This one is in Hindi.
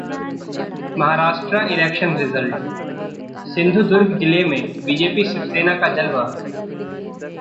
Maharashtra election result: सिंधुदुर्ग जिले में बीजेपी-शिवसेना का जलवा